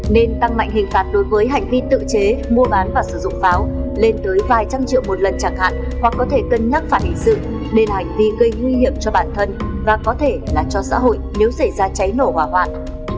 nên tăng mạnh hình phạt đối với hành vi tự chế mua bán và sử dụng pháo lên tới vài trăm triệu một lần chẳng hạn hoặc có thể cân nhắc phản hình sự nên hành vi gây nguy hiểm cho bản thân và có thể là cho xã hội nếu xảy ra cháy nổ hỏa hoạn